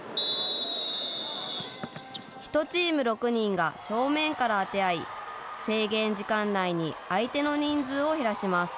１チーム６人が正面から当て合い制限時間内に相手の人数を減らします。